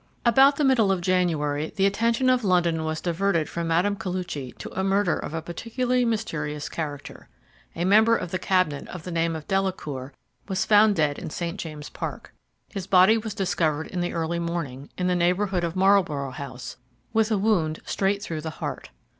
About the middle of January the attention of London was diverted from Mme. Koluchy to a murder of a particularly mysterious character. A member of the Cabinet of the name of Delacour was found dead in St. James's Park. His body was discovered in the early morning, in the neighbourhood of Marlborough House, with a wound straight through the heart.